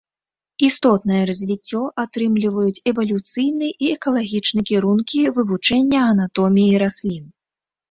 Істотнае развіццё атрымліваюць эвалюцыйны і экалагічна кірункі вывучэння анатоміі раслін.